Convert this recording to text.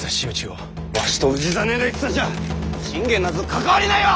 わしと氏真の戦じゃ信玄なぞ関わりないわ！